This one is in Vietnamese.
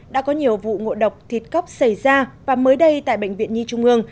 đã có nhiều vụ ngộ độc thịt cóc xảy ra và mới đây tại bệnh viện nhi trung ương